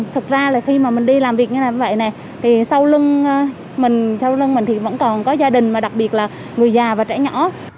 thực ra là khi mà mình đi làm việc như vậy này thì sau lưng mình thì vẫn còn có gia đình mà đặc biệt là người già và trẻ nhỏ